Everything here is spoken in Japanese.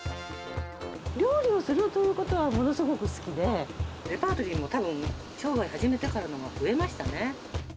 料理をするということはものすごく好きで、レパートリーもたぶん、商売始めてからのほうが増えましたね。